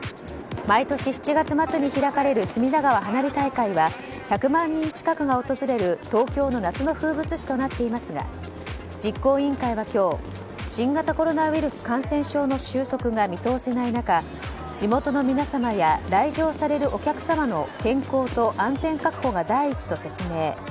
毎年７月末に開かれる隅田川花火大会は１００万人近くが訪れる東京の夏の風物詩となっていますが実行委員会は今日新型コロナウイルス感染症の収束が見通せない中地元の皆様や来場されるお客様の健康と安全確保が第一と説明。